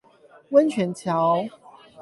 溫泉橋